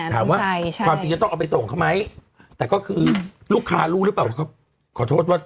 ถามว่าความจริงจะต้องเอาไปส่งเขาไหมแต่ก็คือลูกค้ารู้หรือเปล่าว่าเขาขอโทษว่า